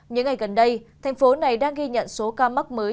những ngày gần đây thành phố này đang ghi nhận số ca mắc mới